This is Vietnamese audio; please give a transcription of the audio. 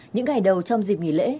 những ngày đầu trong dịp nghỉ lễ